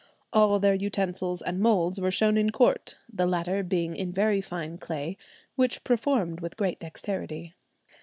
"All their utensils and moulds were shown in court, the latter being in very fine clay, which performed with great dexterity."